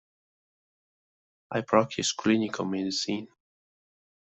I practice clinical medicine.